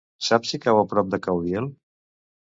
Saps si cau a prop de Caudiel?